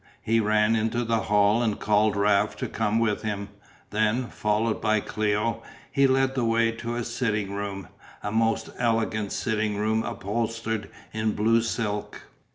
He ran into the hall and called Raft to come with him; then, followed by Cléo, he led the way to a sitting room, a most elegant sitting room upholstered in blue silk.